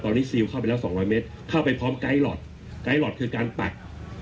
ตอนนี้ซิลเข้าไปแล้วสองร้อยเมตรเข้าไปพร้อมไกด์หลอดไกด์หลอดคือการปัก